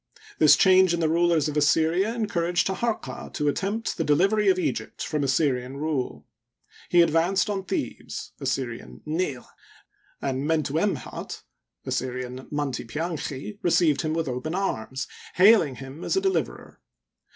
— This change in the rulers of Assyria encouraged Taharqa to attempt the delivery of Egypt from Assyrian rule. He advanced on Thebes (Assyr. Ni") and Mentuemhat (Assyr. Manti ptanchi) received him with open arms, hailing him as a deliverer.